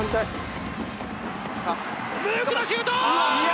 ムークのシュート！